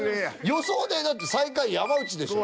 予想でだって最下位山内でしょ。